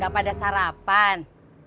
gak pada sarapan